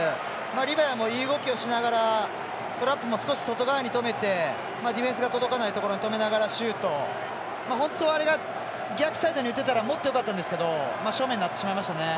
リバヤもいい動きをしながらトラップも少し外側に止めてディフェンスが届かないところに止めながらシュート、本当はあれが逆サイドに打てたらもっとよかったんですけど正面になってしまいましたね。